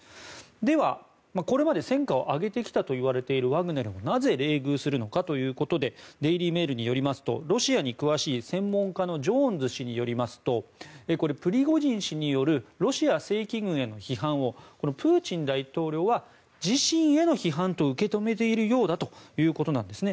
ではこれまで戦果を上げてきたといわれているワグネルをなぜ冷遇するのかということでデイリー・メールによりますとロシアに詳しい専門家のジョーンズ氏によりますとプリゴジン氏によるロシア正規軍への批判をプーチン大統領は自身への批判と受け止めているようだということなんですね。